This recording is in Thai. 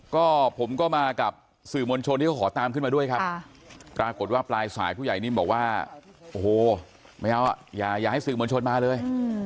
ก็ผมก็มากับสื่อมงชนของแต่งเรื่องทั่วมาด้วยครับปลายสายภูใหญ่นิมบอกว่าไม่เอาอย่าให้สื่อมงชนมาเลย